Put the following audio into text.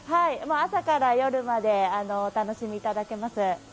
朝から夜までお楽しみいただけます。